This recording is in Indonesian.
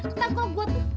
kita kok buat